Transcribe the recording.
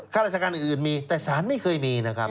ข้าราชการอื่นมีแต่สารไม่เคยมีนะครับ